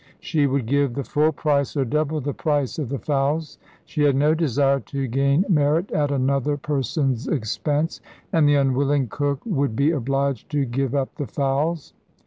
She would give the full price or double the price of the fowls; she had no desire to gain merit at another person's expense, and the unwilling cook would be obliged to give up the fowls.